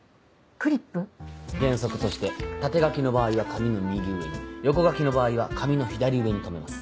原則として縦書きの場合は紙の右上に横書きの場合は紙の左上に留めます。